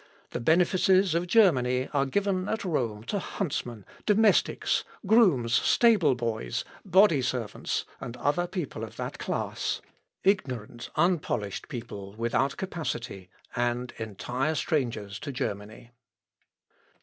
The benefices of Germany are given at Rome to huntsmen, domestics, grooms, stable boys, body servants, and other people of that class, ignorant unpolished people, without capacity, and entire strangers to Germany."